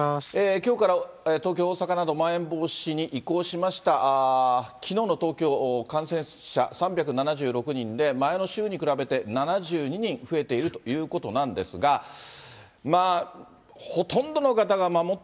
きょうから東京、大阪など、まん延防止に移行しました、きのうの東京、感染者、３７６人で、前の週に比べて７２人増えているということなんですが、まあ、ほとんどの方が守っ